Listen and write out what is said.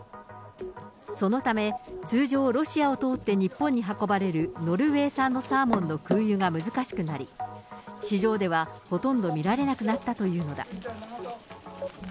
そのため、通常、ロシアを通って日本に運ばれるノルウェー産のサーモンの空輸が難しくなり、市場ではほとんど見られなくなったというのだ。